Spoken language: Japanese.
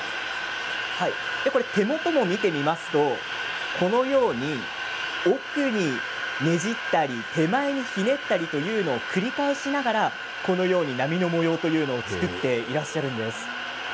手元も見てみますとこのように奥にねじったり手前にひねったりというのを繰り返しながらこのように波の模様というのを作っていらっしゃるんです。